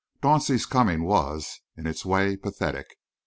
Dauncey's coming was, in its way, pathetic.